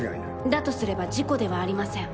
だとすれば事故ではありません。